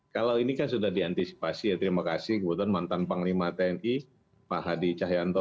kalau ini kan sudah diantisipasi ya terima kasih kebetulan mantan panglima tni pak hadi cahyanto